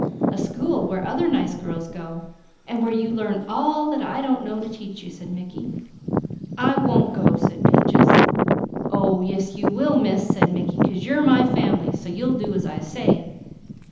"A school. Where other nice girls go, and where you learn all that I don't know to teach you," said Mickey. "I won't go!" said Peaches. "Oh yes you will, Miss," said Mickey. "'Cause you're my family, so you'll do as I say."